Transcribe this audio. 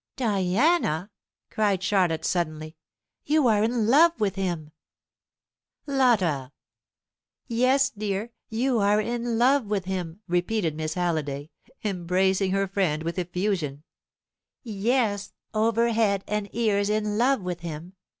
"Diana," cried Charlotte, suddenly, "you are in love with him!" "Lotta!" "Yes, dear, you are in love with him," repeated Miss Halliday, embracing her friend with effusion; "yes, over head and ears in love with him.